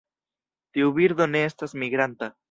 Tiu birdo ne estas migranta.